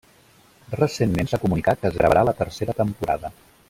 Recentment s'ha comunicat que es gravarà la tercera temporada.